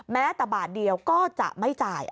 แม้แต่บาทเดียวก็จะไม่จ่าย